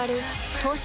東芝